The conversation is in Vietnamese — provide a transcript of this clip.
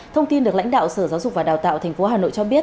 thông tin được lãnh đạo sở giáo dục và đào tạo tp hà nội cho biết